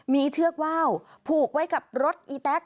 มีเชือกว่าวผูกไว้กับรถอีแต๊ก